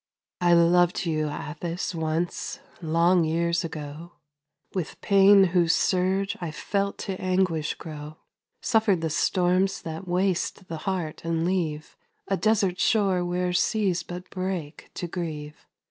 I loved you, Atthis, once, long years ago! With pain whose surge I felt to anguish grow; Suffered the storms that waste the heart and leave A desert shore where seas but break to grieve.